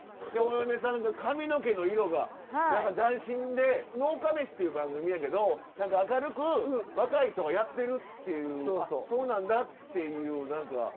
でお嫁さんが髪の毛の色が何か斬新で「農家メシ！」っていう番組やけど何か明るく若い人がやってるっていうそうなんだっていう何か。